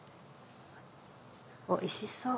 おいしそう。